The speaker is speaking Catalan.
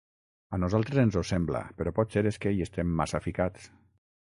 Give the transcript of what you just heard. A nosaltres ens ho sembla, però potser és que hi estem massa ficats.